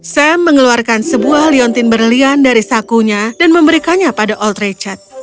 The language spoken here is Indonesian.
sam mengeluarkan sebuah liontin berlian dari sakunya dan memberikannya pada old richard